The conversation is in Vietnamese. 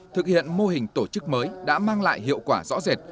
thực hiện mô hình tổ chức mới đã mang lại hiệu quả rõ rệt